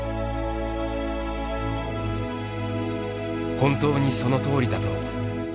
本当にそのとおりだと「僕」も思う。